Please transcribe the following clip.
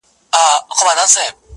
چي د دې په بچو موړ وو پړسېدلې-